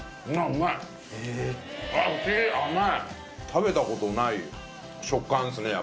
食べたことない食感ですね